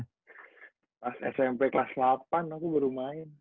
pas smp kelas delapan aku baru main